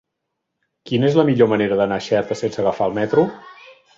Quina és la millor manera d'anar a Xerta sense agafar el metro?